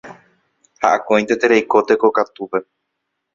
Ha akóinte tereiko tekokatúpe